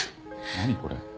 何これ？